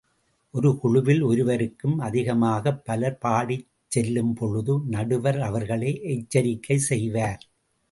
ஒரு குழுவில் ஒருவருக்கும் அதிகமாகப் பலர் பாடிச்செல்லும்பொழுது, நடுவர் அவர்களை எச்சரிக்கை செய்வார்.